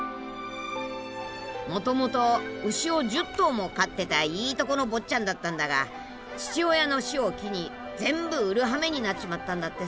もともと牛を１０頭も飼ってたいいとこの坊ちゃんだったんだが父親の死を機に全部売るはめになっちまったんだってさ。